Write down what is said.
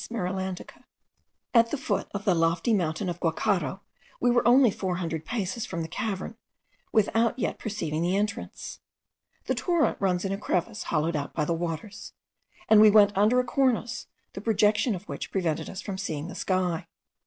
marilandica. At the foot of the lofty mountain of the Guacharo, we were only four hundred paces from the cavern, without yet perceiving the entrance. The torrent runs in a crevice hollowed out by the waters, and we went on under a cornice, the projection of which prevented us from seeing the sky.